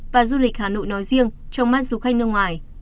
và du lịch hà nội nói chung